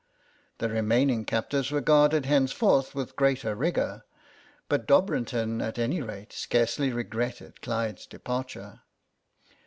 The remaining captives were guarded henceforth with greater rigour, but Dobrin ton at any rate scarcely regretted Clyde's departure.